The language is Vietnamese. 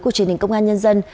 của truyền hình công an nhân dân